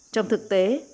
trong thực tế